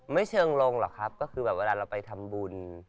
เชิงลงหรอกครับก็คือแบบเวลาเราไปทำบุญ